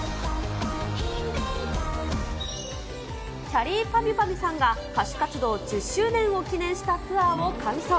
きゃりーぱみゅぱみゅさんが、歌手活動１０周年を記念したツアーを完走。